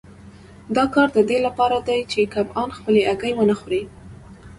دا کار د دې لپاره دی چې کبان خپلې هګۍ ونه خوري.